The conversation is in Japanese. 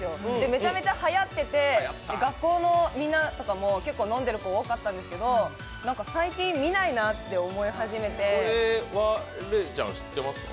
めちゃくちゃはやってて、学校のみんなとかも結構飲んでる子多かったですけど最近見ないなって思い始めて。